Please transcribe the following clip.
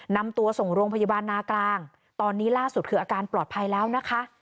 นำตัวส่งโรงพยาบาลนากลางตอนนี้ล่าสุดคืออาการปลอดภัยแล้วนะคะ